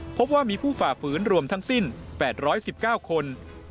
พบว่ามีผู้ฝ่าฝืนรวมทั้งสิ้น๘๑๙คน